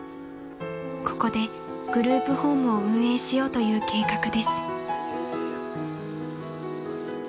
［ここでグループホームを運営しようという計画です］